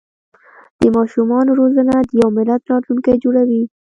د ماشومانو روزنه د یو ملت راتلونکی جوړوي.